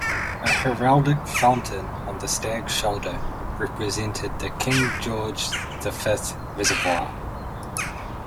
A heraldic fountain on the stag's shoulder represented the King George the Fifth Reservoir.